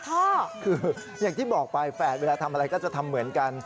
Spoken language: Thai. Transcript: คืออย่างที่บอกไปแฝดเวลาทำอะไรก็จะทำเหมือนกัน